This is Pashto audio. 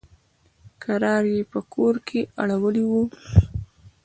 کرار يې په کور کښې اړولي وو.